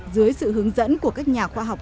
dưới sự hướng dẫn của các nhà khoa học